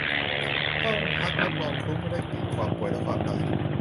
ห้องพักรับรองคลุ้งไปด้วยกลิ่นความป่วยและความตาย